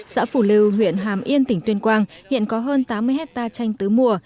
xã phủ lưu huyện hàm yên tỉnh tuyên quang hiện có hơn tám mươi hectare chanh tứ mùa